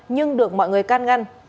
nhưng được mọi người can ngăn